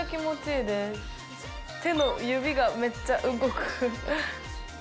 手の指がめっちゃ動く。